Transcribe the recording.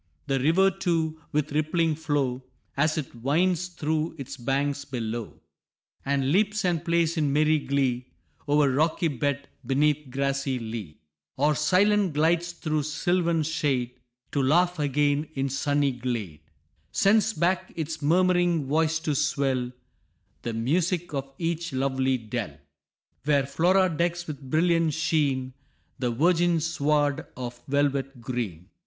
The river, too, with rippling flow, As it winds through its banks below, And leaps and plays in merry glee, O'er rocky bed, 'neath grassy lea, Or silent glides through sylvan shade, To laugh again in sunny glade, Sends back its murm'ring voice to swell The music of each lovely dell, Where Flora decks with brilliant sheen The virgin sward of velvet green.